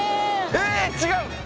えっ違う⁉